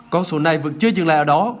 con số này vẫn chưa dừng lại ở đó